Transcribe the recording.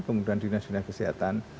kemudian dinas dinas kesehatan